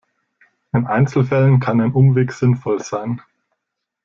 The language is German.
In Einzelfällen kann ein Umweg sinnvoll sein.